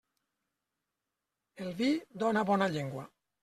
El vi dóna bona llengua.